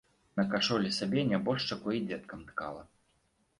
На кашулі сабе, нябожчыку і дзеткам ткала.